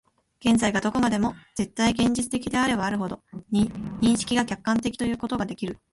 現在がどこまでも絶対現在的であればあるほど、認識が客観的ということができる。